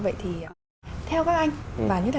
vậy thì theo các anh và như là